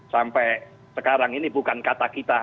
sampai sekarang ini bukan kata kita